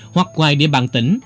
hoặc ngoài địa bàn tỉnh